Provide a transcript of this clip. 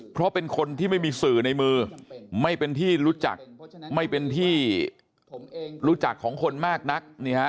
เพราะเป็นคนที่ไม่มีสื่อในมือไม่เป็นที่รู้จักไม่เป็นที่รู้จักของคนมากนัก